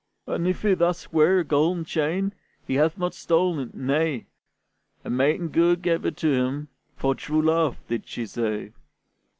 "And if he thus wear a golden chain, He hath not stolen it; nay! A maiden good gave it to him For true love, did she say."